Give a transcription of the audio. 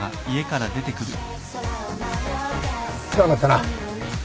世話になったな。